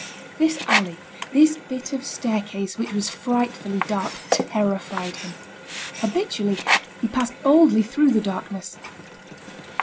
This alley, this bit of staircase which was frightfully dark, terrified him. Habitually, he passed boldly through the darkness.